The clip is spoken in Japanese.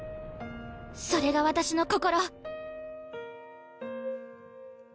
それが私の心！